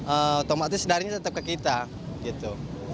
otomatis daringnya tetap ke kita gitu